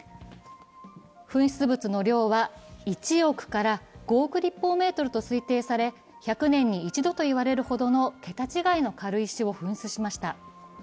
噴出物の量は１億から５億立方メートルともいわれ、１００年に１度と言われるほどの桁違いの軽石を噴出しました。